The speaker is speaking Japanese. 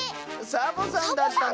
サボさんだったのか。